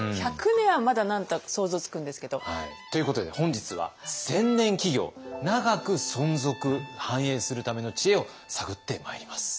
１００年はまだ何か想像つくんですけど。ということで本日は千年企業長く存続・繁栄するための知恵を探ってまいります。